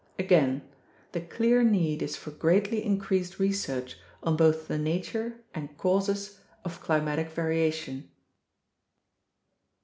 Again, the clear need is for greatly increased re search on both the nature and causes of climatic variation.